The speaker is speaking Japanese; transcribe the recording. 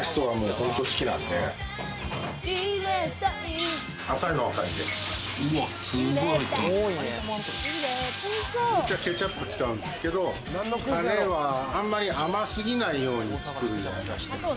本当はケチャップ使うんですけど、タレはあまり甘すぎないように作るようにしてます。